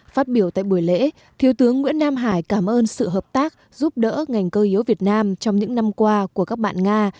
phát biểu tại buổi lễ thiếu tướng nguyễn nam hải cảm ơn sự hợp tác giúp đỡ ngành cơ yếu việt nam trong những năm qua của các bạn nga